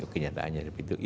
kenyataannya lebih tinggi